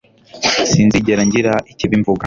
sinzigera ngira ikibi mvuga